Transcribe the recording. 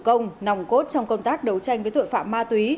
công an chủ công nòng cốt trong công tác đấu tranh với tội phạm ma túy